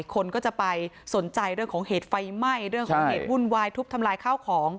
คนก็จะไปสนใจเรื่องของเหตุไฟไหม้เรื่องของเหตุวุ่นวายทุบทำลายข้าวของ